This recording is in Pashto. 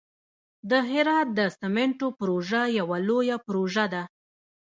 د هرات د سمنټو پروژه یوه لویه پروژه ده.